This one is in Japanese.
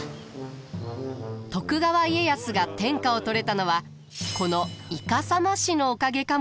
徳川家康が天下を取れたのはこのイカサマ師のおかげかもしれません。